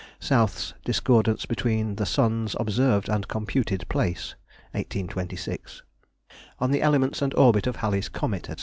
South's Discordance between the Sun's observed and computed Place. 1826. On the Elements and Orbit of Halley's Comet, &c.